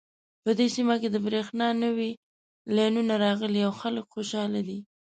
په دې سیمه کې د بریښنا نوې لینونه راغلي او خلک خوشحاله دي